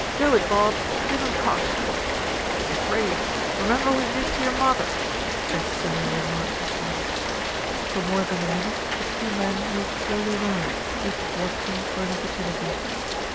"Go it, Bob, give him cosh." "He's afraid. Remember what he did to your mawther," and similar remarks were shouted. For more than a minute the two men moved slowly round, each watching for an opportunity.